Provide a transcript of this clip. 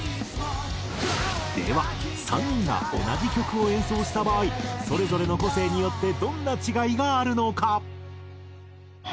では３人が同じ曲を演奏した場合それぞれの個性によってどんな違いがあるのか？